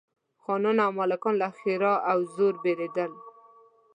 خانان او ملکان له ښرا او زور بېرېدل.